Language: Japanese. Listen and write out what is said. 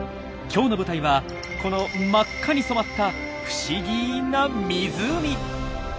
今日の舞台はこの真っ赤に染まった不思議な湖。